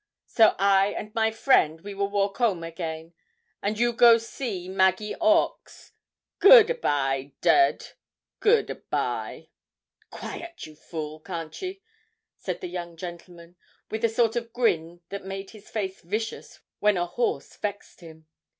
So I and my friend we will walk home again, and you go see Maggie Hawkes. Good a by, Dud good a by.' 'Quiet, you fool! can't ye?' said the young gentleman, with the sort of grin that made his face vicious when a horse vexed him.